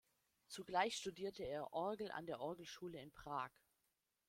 Zugleich studierte er Orgel an der Orgelschule in Prag.